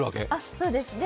そうですね。